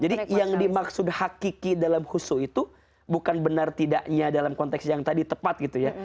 jadi yang dimaksud hakiki dalam husu itu bukan benar tidaknya dalam konteks yang tadi tepat gitu ya